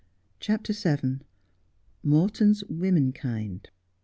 CHAPTEE VII. morton's womenkind.